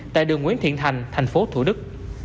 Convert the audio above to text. tại đường nguyễn thiện thành tp thủ đức